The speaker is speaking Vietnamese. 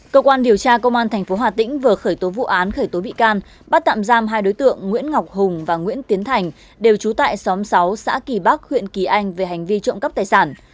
cơ quan điều tra công an tp hà tĩnh vừa khởi tố vụ án khởi tố bị can bắt tạm giam hai đối tượng nguyễn ngọc hùng và nguyễn tiến thành đều trú tại xóm sáu xã kỳ bắc huyện kỳ anh về hành vi trộm cắp tài sản